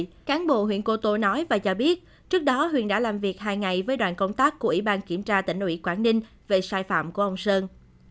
trước đó cán bộ huyện cô tô nói và cho biết trước đó huyền đã làm việc hai ngày với đoàn công tác của ủy ban kiểm tra tỉnh ủy quảng ninh về sai phạm của ông sơn